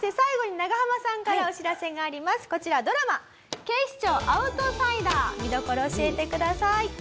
こちらドラマ『警視庁アウトサイダー』見どころ教えてください。